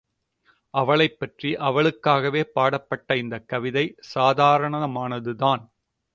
அவளைப் பற்றியே அவளுக்காகவே பாடப்பட்ட இந்தக் கவிதை சாதாரணமானதுதான்.